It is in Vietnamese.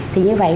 thì như vậy